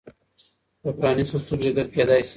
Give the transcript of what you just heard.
په پرانیستو سترګو لیدل کېدای شي.